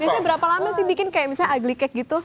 biasanya berapa lama sih bikin kayak misalnya aglike gitu